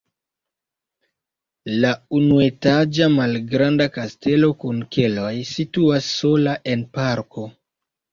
La unuetaĝa malgranda kastelo kun keloj situas sola en parko.